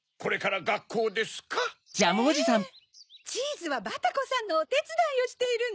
チーズはバタコさんのおてつだいをしているの！